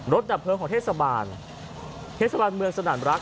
ดับเพลิงของเทศบาลเทศบาลเมืองสนานรักษ